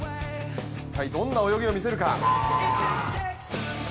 一体どんな泳ぎを見せるか。